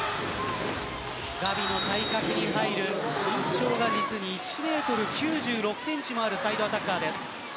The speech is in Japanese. ガビの対角に入る身長が実に１メートル９６センチもあるサイドアタッカーです。